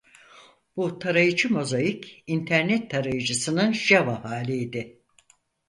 Bu tarayıcı Mozaik internet tarayıcısının Java haliydi.